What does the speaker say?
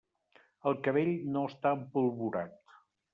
El cabell no està empolvorat.